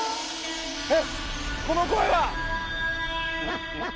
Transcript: えっこの声は。